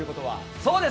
そうです。